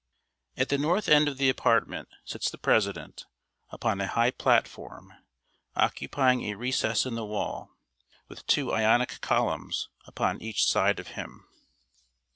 ] At the north end of the apartment sits the president, upon a high platform occupying a recess in the wall, with two Ionic columns upon each side of him.